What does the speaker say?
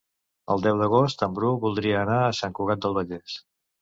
El deu d'agost en Bru voldria anar a Sant Cugat del Vallès.